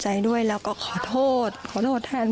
ไปถึงก็ร้องไห้จัน